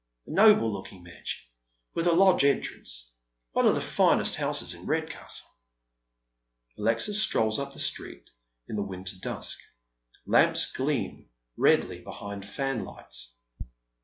A noble looking mansion, with a lodge entrance. One of the finest houses in Redcastle." Alexis strolls up the street in the winter dusk. Lamps gleam redly behind fanlights.